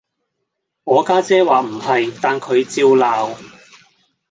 我家姐話唔係，但佢照鬧